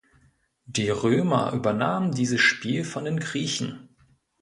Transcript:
Die Römer übernahmen dieses Spiel von den Griechen.